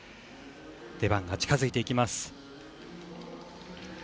出番が近づいてきます。